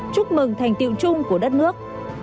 chúc mừng thành tiệu chung của đất nước